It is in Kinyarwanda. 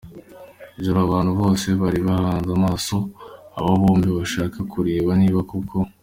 joro abantu bose bari bahanzi amaso aba bombi ,bashaka kureba niba koko.